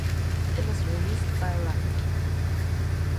It was released by Rhino.